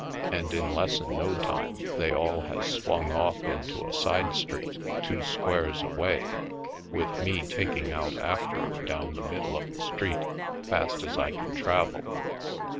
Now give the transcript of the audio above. And in les Harlem Heights 65 sen no time they all has swung off into a side street, two squares away, with me tak ing out after 'em down the middle of the street fast as I can travel.